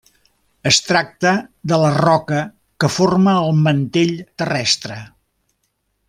Es tracta de la roca que forma el mantell terrestre.